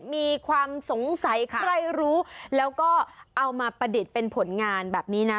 มีความสงสัยใครรู้แล้วก็เอามาประดิษฐ์เป็นผลงานแบบนี้นะ